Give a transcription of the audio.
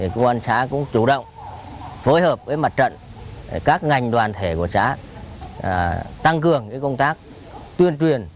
công an xã cũng chủ động phối hợp với mặt trận các ngành đoàn thể của xã tăng cường công tác tuyên truyền